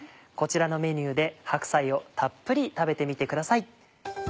こちらのメニューで白菜をたっぷり食べてみてください。